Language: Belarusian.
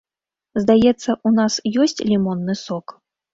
Здаецца, у нас ёсць лімонны сок?